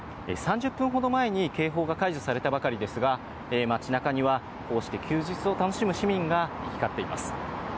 ３０分ほど前に警報が解除されたばかりですが、街なかにはこうして休日を楽しむ市民が行き交っています。